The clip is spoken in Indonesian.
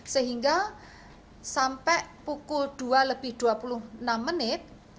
sehingga sampai pukul dua lebih dua puluh enam menit